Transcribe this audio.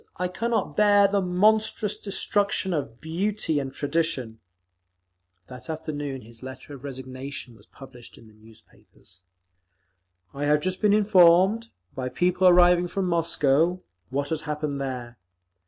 I cannot bear the monstrous destruction of beauty and tradition…." That afternoon his letter of resignation was published in the newspapers: I have just been informed, by people arriving from Moscow, what has happened there.